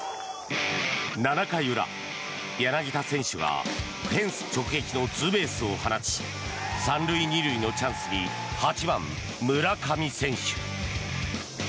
７回裏柳田選手はフェンス直撃のツーベースを放ち３塁２塁のチャンスに８番、村上選手。